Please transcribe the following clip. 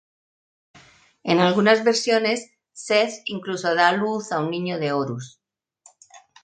En algunas versiones Seth incluso da a luz a un niño de Horus.